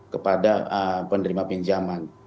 kepada penerima pinjaman